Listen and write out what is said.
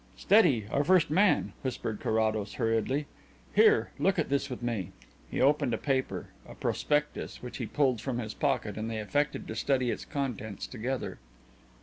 "Steady! our first man," whispered Carrados hurriedly. "Here, look at this with me." He opened a paper a prospectus which he pulled from his pocket, and they affected to study its contents together.